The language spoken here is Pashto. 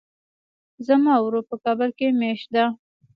زما ورور په کابل کې ميشت ده.